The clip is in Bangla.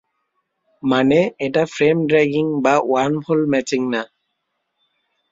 মানে, এটা ফ্রেম ড্র্যাগিং বা ওয়ার্মহোল ম্যাচিং না।